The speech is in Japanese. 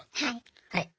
はい。